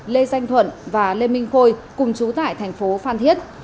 lê danh thuận và lê minh khôi cùng trú tại thành phố phan thiết